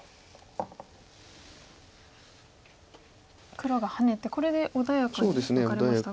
黒がハネてこれで穏やかにワカれましたが。